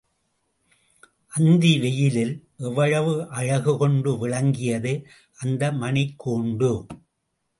அந்தி வெயிலில் எவ்வளவு அழகுகொண்டு விளங்கியது அந்த மணிக் கூண்டு!